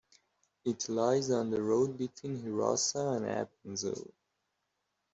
It lies on the road between Herisau and Appenzell.